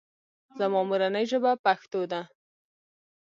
زما مورنۍ ژبه پښتو ده